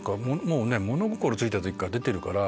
物心ついた時から出てるから。